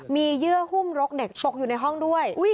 มีเยื่อหุ้มรกเด็กตกอยู่ในห้องด้วย